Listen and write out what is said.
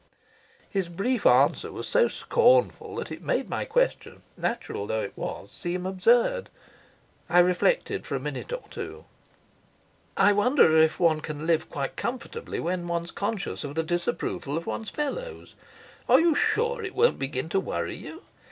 His brief answer was so scornful that it made my question, natural though it was, seem absurd. I reflected for a minute or two. "I wonder if one can live quite comfortably when one's conscious of the disapproval of one's fellows? Are you sure it won't begin to worry you?